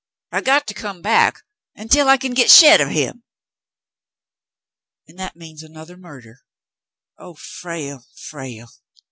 I got to come back ontwell I c'n git shet o' him." "And that means another murder ! Oh, Frale, Frale